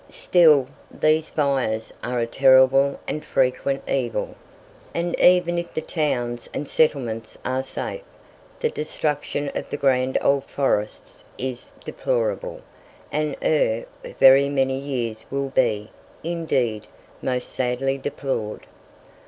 Still these fires are a terrible and frequent evil, and even if the towns and settlements are safe, the destruction of the grand old forests is deplorable, and ere very many years will be, indeed, most sadly deplored.